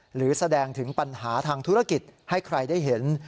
หรือแสดงถึงปัญหาทางธุรกิจให้ใครได้เห็น